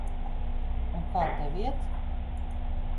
Un kā tev iet?